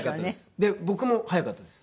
で僕も速かったです